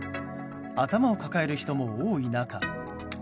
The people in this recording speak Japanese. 頭を抱える人も多い中。